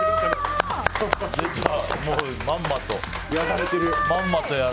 もう、まんまとやられてるよ。